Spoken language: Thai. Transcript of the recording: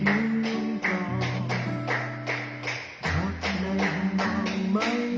อยู่กันไปสองสามมี